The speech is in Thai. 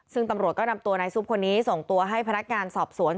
ซึ่งตำรวจก็นำตัวนายซุปคนนี้ส่งตัวให้พนักงานสอบสวน